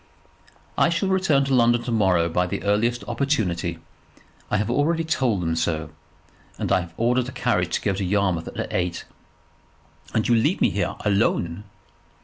"I shall return to London to morrow by the earliest opportunity. I have already told them so, and have ordered a carriage to go to Yarmouth at eight." "And you leave me here, alone!"